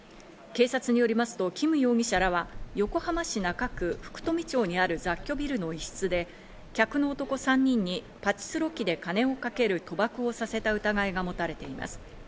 警察によりますとキム容疑者らは横浜市中区福富町にある雑居ビルの一室で、客の男３人にパチスロ機で金をかける賭博をさせた疑いが持たれています。